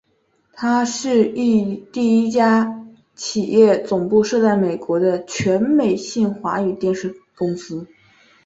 它是第一家企业总部设在美国的全美性华语电视公司。